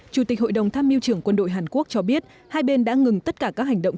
chủ tịch hội đồng tham mưu trưởng quân đội hàn quốc cho biết hai bên đã ngừng tất cả các hành động